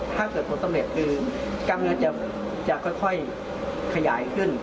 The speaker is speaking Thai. ถ้าเกิดผลสำเร็จคือการเงินจะค่อยขยายขึ้น